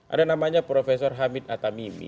ada namanya profesor hamid atamimi